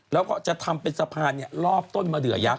แล้วก็จะทำเป็นสภาษณ์รอบต้นมะเหลือยักษ์